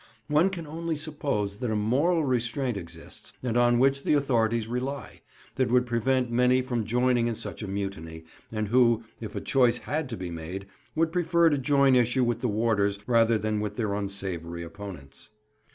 One can only suppose that a moral restraint exists, and on which the authorities rely, that would prevent many from joining in such a mutiny, and who, if a choice had to be made, would prefer to join issue with the warders rather than with their unsavoury opponents.